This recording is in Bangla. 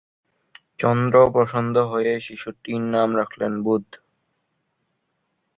চন্দ্র প্রসন্ন হয়ে শিশুটির নাম রাখলেন বুধ।